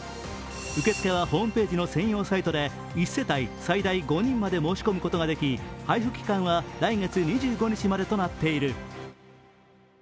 受け付けはホームページの専用サイトで１世帯最大５人まで申し込むことができ配布期間は来月２５日までとなっている。